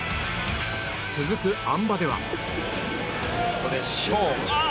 続くあん馬では。